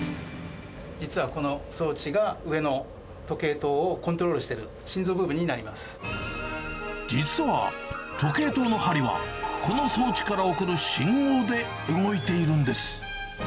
実はこの装置が上の時計塔をコントロールしている心臓部分に実は時計塔の針は、この装置から送る信号で動いているんです。